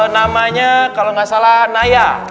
namanya kalau nggak salah naya